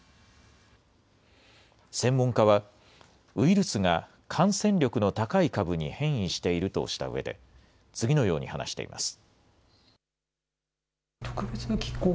専門家は、ウイルスが感染力の高い株に変異しているとしたうえで、次のように話しています。